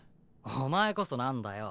お前こそなんだよ？